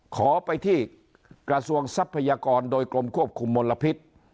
ขอไปที่กระทรวงทรัพยากรโดยกรมควบคุมมลพิษ